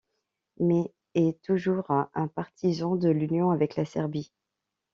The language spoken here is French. Mais est toujours un partisan de l'union avec la Serbie.